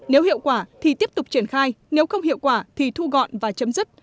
nếu hiệu quả thì tiếp tục triển khai nếu không hiệu quả thì thu gọn và chấm dứt